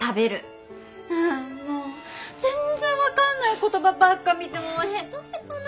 もう全然分かんない言葉ばっか見てもうヘトヘトだ。